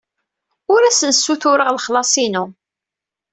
Ur asen-ssutureɣ lexlaṣ-inu.